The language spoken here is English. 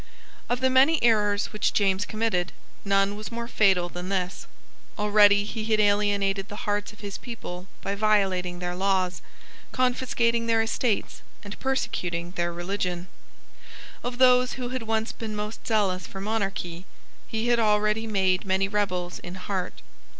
Of the many errors which James committed, none was more fatal than this. Already he had alienated the hearts of his people by violating their laws, confiscating their estates, and persecuting their religion. Of those who had once been most zealous for monarchy, he had already made many rebels in heart.